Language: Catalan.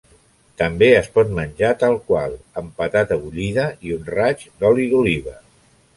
També es pot menjar tal qual amb patata bullida i un raig d'oli d'oliva.